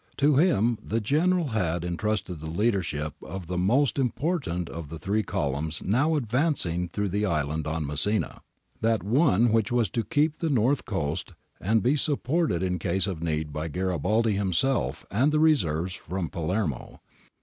To him the General had en trusted the leadership of the most important of the three columns now advancing through the island on Messina, that one which was to keep the north coast and be sup ported in case of need by Garibaldi himself and the reserves from Palermo.